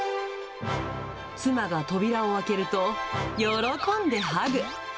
妻が扉を開けると、喜んでハグ。